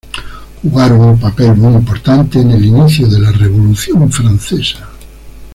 Jugaron un papel muy importante en el inicio de la Revolución francesa.